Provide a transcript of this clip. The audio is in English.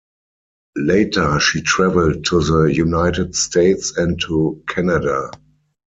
Later she travelled to the United States and to Canada.